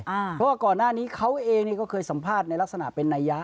เพราะว่าก่อนหน้านี้เขาเองนี่ก็เคยสัมภาษณ์ในลักษณะเป็นนัยะ